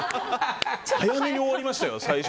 早めに終わりましたよ。